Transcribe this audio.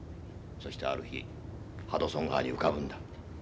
そしてある日ハドソン川に浮かぶんだ。